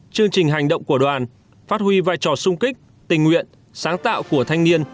chương trình hành động của đoàn phát huy vai trò sung kích tình nguyện sáng tạo của thanh niên